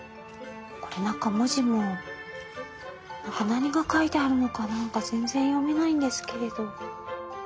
これ中文字も何が書いてあるのかなんか全然読めないんですけれど。